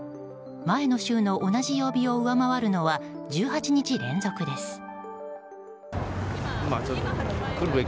前の週の同じ曜日を上回るのは１８日連続です。